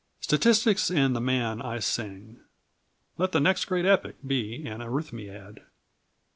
Statistics and the man I sing. Let the next great epic be an Arithmiad.